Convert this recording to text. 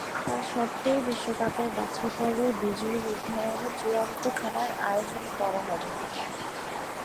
তাস্বত্ত্বেও বিশ্বকাপের বাছাইপর্বের বিজয়ী নির্ধারণে চূড়ান্ত খেলার আয়োজন করা হবে।